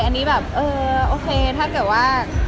อันนี้แบบเออโอเคถ้าเกิดว่า